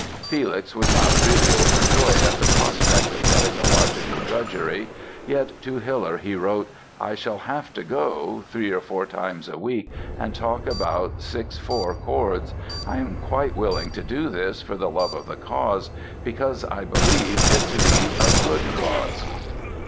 Felix was not really overjoyed at the prospect of pedagogical drudgery; yet to Hiller he wrote "I shall have to go ... three or four times a week and talk about 6 4 chords ... I am quite willing to do this for the love of the cause, because I believe it to be a good cause".